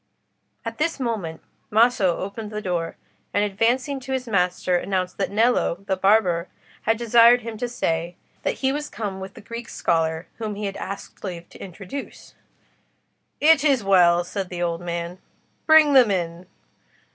At this moment Maso opened the door, and advancing to his master, announced that Nello, the barber, had desired him to say, that he was come with the Greek scholar whom he had asked leave to introduce. "It is well," said the old man. "Bring them in."